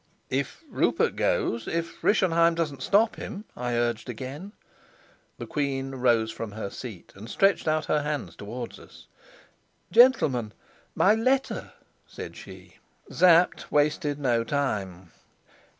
"If Rupert goes if Rischenheim doesn't stop him!" I urged again. The queen rose from her seat and stretched out her hands towards us. "Gentlemen, my letter!" said she. Sapt wasted no time.